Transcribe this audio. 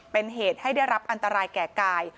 เป็นเหตุให้ได้รับอันตรายแก่กาย